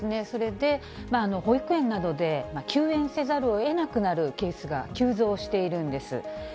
それで、保育園などで休園せざるをえなくなるケースが急増しているんです。